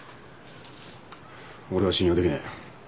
俺は信用できねえ。